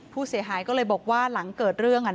ผู้เสียหายก็เลยบอกว่าหลังเกิดเรื่อง